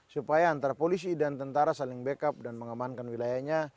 supaya antara polisi dan tentara saling backup dan mengamankan wilayahnya